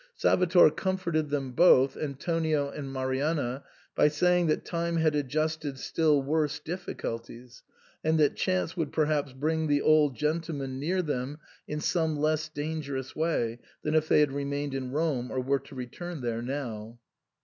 Salvator comforted them both — Antonio and Marianna— by say ing that time had adjusted still worse difficulties, and that chance would perhaps bring the old gentleman near them in some less dangerous way than if they had remained in Rome, or were to return there now.